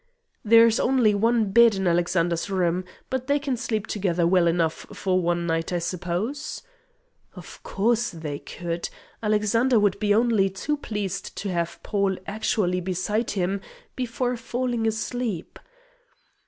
"There is only one bed in Alexander's room, but they can sleep together well enough for one night, I suppose." Of course they could! Alexander would be only too pleased to have Paul actually beside him before falling asleep.